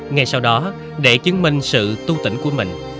ngay sau đó để chứng minh sự tu tỉnh của mình